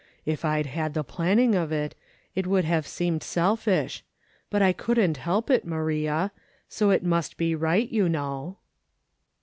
If I'd had the planning of it, it would have seemed selfish ; but I couldn't help it, Maria, so it must be right, you know."